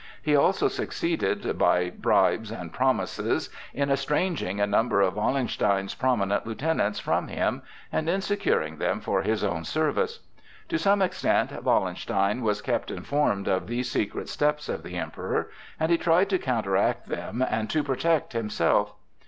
He also succeeded by bribes and promises in estranging a number of Wallenstein's prominent lieutenants from him and in securing them for his own service. To some extent Wallenstein was kept informed of these secret steps of the Emperor, and he tried to counteract them and to protect himself.